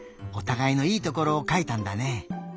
おたがいのいいところをかいたんだね。